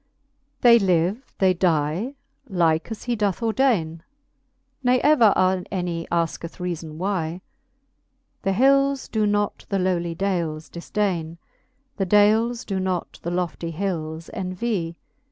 XLI. They live, they die, like as he doth ordaine, Ne ever any asketh reafon why. The hils doe not the lowly dales difdaine \ The dales doe not the lofty hils envy.